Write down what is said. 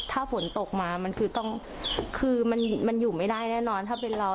ถ้าฝนตกมามันคือต้องคือมันอยู่ไม่ได้แน่นอนถ้าเป็นเรา